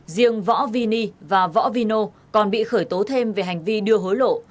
riêng võ vini và võ vino còn bị khởi tố thêm về hành vi đưa hối lộ